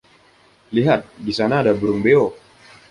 Lihat, di sana ada burung beo.